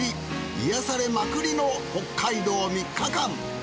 癒やされまくりの北海道３日間。